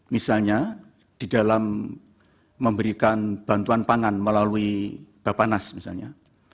misalnya di dalam memberikan bantuan pangan melalui bapak nas misalnya